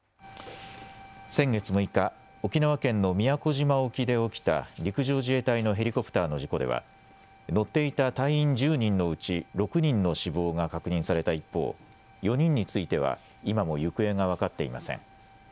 先月６日、沖縄県の宮古島沖で起きた陸上自衛隊のヘリコプターの事故では乗っていた隊員１０人のうち６人の死亡が確認された一方、４人については今も行方が分かっていません。